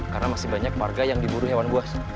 karena masih banyak warga yang diburu hewan buas